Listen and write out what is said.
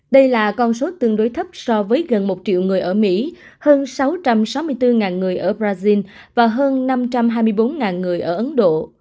đây là con số tương đối thấp so với gần một triệu người ở mỹ hơn sáu trăm sáu mươi bốn người ở brazil và hơn năm trăm hai mươi bốn người ở ấn độ